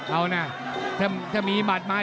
เอานะถ้ามีหมัดมา